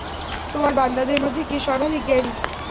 তোমার বান্দাদের মধ্যে কে সর্বাধিক জ্ঞানী?